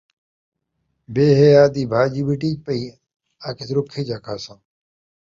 بے حیا دی بھاڄی ویٹیج پئی، آکھیُس رُکھی چا کھاساں